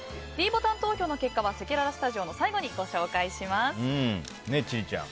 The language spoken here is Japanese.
ｄボタン投票の結果はせきららスタジオの最後に千里ちゃん。